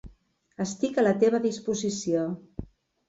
Estic a la teva disposició.